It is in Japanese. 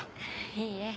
いいえ。